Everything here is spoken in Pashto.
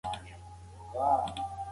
که موږ یو بل درک کړو شخړې کمیږي.